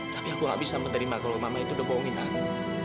tapi aku gak bisa menerima kalau mama itu udah bohongin aku